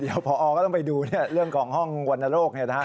เดี๋ยวพอก็ต้องไปดูเรื่องกองห้องวรรณโลก